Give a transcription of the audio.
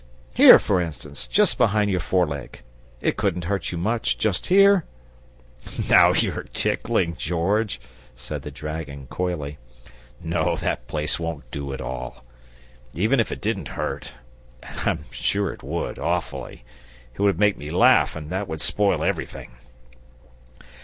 Here, for instance, just behind your foreleg. It couldn't hurt you much, just here!" "Now you're tickling, George," said the dragon, coyly. "No, that place won't do at all. Even if it didn't hurt, and I'm sure it would, awfully, it would make me laugh, and that would spoil everything."